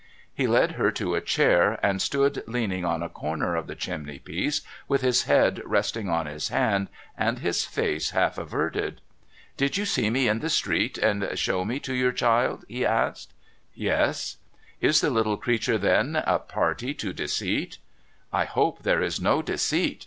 He led her to a chair, and stood leaning on a corner of the chimney piece, with his head resting on his hand, and his face half averted. • Did you see me in the street, and show me to your child ?' he asked. ' Yes.' ' Is the little creature, then, a party to deceit ?'' I hope there is no deceit.